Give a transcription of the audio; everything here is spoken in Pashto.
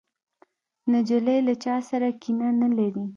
نجلۍ له چا سره کینه نه لري.